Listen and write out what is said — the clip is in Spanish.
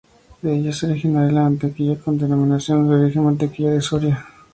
De ella es originaria la mantequilla con denominación de origen: "Mantequilla de Soria".